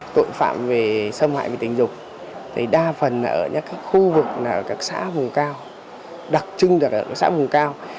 tội phạm về xâm hại tình dục đa phần ở các khu vực các xã vùng cao đặc trưng ở các xã vùng cao